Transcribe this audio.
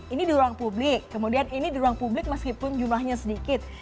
ini di ruang publik kemudian ini di ruang publik meskipun jumlahnya sedikit